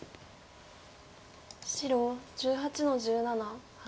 白１８の十七ハネ。